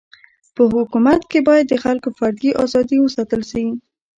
په حکومت کي باید د خلکو فردي ازادي و ساتل سي.